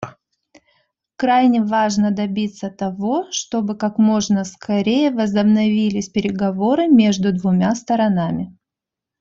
Крайне важно добиться того, чтобы как можно скорее возобновились переговоры между двумя сторонами.